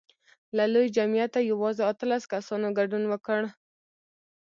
له لوی جمعیته یوازې اتلس کسانو ګډون وکړ.